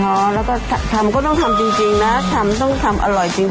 แล้วก็ทำก็ต้องทำจริงนะทำต้องทำอร่อยจริง